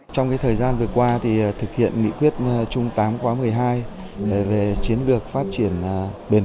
trong thời gian vừa qua thực hiện nghị quyết trung tám một mươi hai về chiến được phát triển bền